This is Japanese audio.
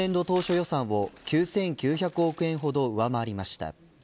予算を９９００億円ほど上回りました。